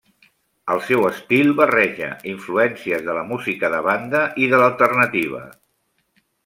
El seu estil barreja influències de la música de banda i de l'alternativa.